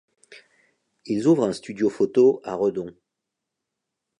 Ils ouvrent un studio photo à Redon.